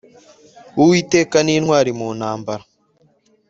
uwiteka ni intwari mu ntambara,